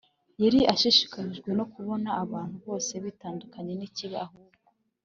Yari ashishikajwe no kubona abantu bose bitandukanya n ikibi ahubwo